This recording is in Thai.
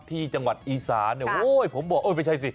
ที่จังหวัดอีสานโอ้ยผมบอกไม่ใช่สิ